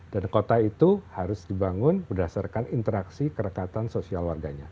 dan kota itu harus dibangun berdasarkan interaksi kerekatan sosial warganya